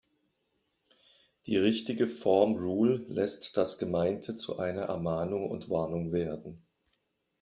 Die richtige Form "rule" lässt das Gemeinte zu einer Ermahnung und Warnung werden.